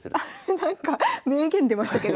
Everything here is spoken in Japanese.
なんか名言出ましたけど。